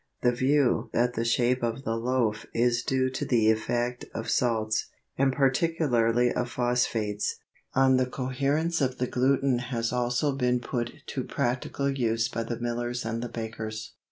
The view that the shape of the loaf is due to the effect of salts, and particularly of phosphates, on the coherence of the gluten has also been put to practical use by the millers and the bakers.